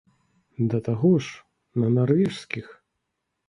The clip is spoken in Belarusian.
Да таго ж, на нарвежскіх!